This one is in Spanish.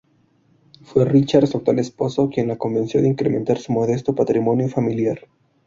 Fue Richard, su actual esposo, quien la convenció de incrementar su modesto patrimonio familiar.